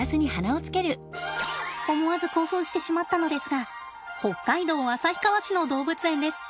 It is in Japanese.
思わず興奮してしまったのですが北海道旭川市の動物園です。